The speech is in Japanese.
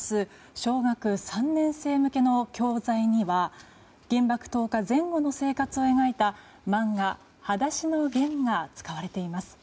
小学３年生向けの教材には原爆投下前後の生活を描いた漫画「はだしのゲン」が使われています。